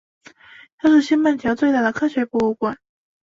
它是西半球最大的科学博物馆。